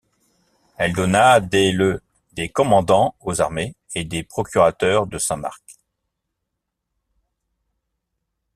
Elle donna dès le des Commandants aux armées et des procurateur de Saint-Marc.